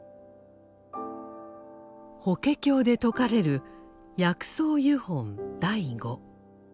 「法華経」で説かれる「薬草喩品第五」。